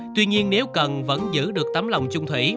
tuy nhiên nếu cần vẫn giữ được tấm lòng trung thủy